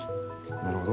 なるほど。